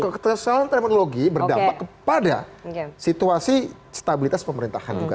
kesalahan terminologi berdampak kepada situasi stabilitas pemerintahan juga